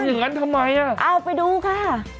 อย่างนั้นทำไมอ่ะเอาไปดูค่ะ